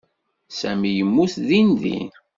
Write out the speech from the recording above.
Sami yemmut dindin.